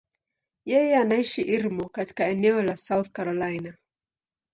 Yeye anaishi Irmo, katika eneo la South Carolina.